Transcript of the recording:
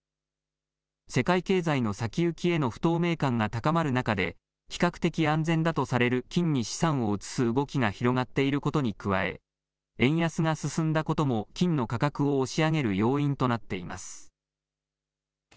世界経済の先行きへの不透明感が高まる中で比較的、安全だとされる金に資産を移す動きが広がっていることに加え円安が進んだことも金の価格を押し上げる要因となっています。